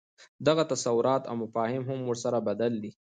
دغه تصورات او مفاهیم هم ورسره بدل دي.